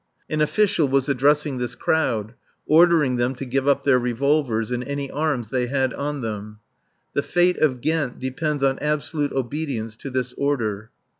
An official was addressing this crowd, ordering them to give up their revolvers and any arms they had on them. The fate of Ghent depends on absolute obedience to this order.